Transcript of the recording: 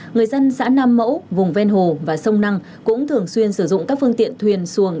người dân xã nam mẫu vùng ven hồ và sông năng cũng thường xuyên sử dụng các phương tiện thuyền xuồng